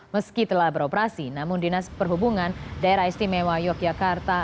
meski telah beroperasi namun dinas perhubungan daerah istimewa yogyakarta